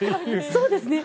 そうですね。